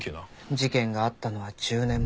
事件があったのは１０年前。